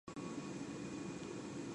It is now in a dilapidated state.